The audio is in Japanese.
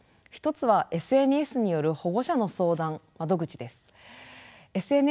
一つはＳＮＳによる保護者の相談窓口です。